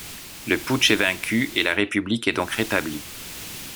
Le putsch est vaincu et la République est donc rétablie.